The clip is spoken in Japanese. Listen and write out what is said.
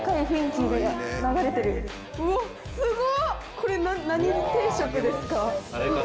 これ何定食ですか？